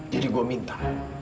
jadi gua minta